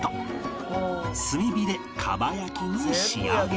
炭火で蒲焼きに仕上げる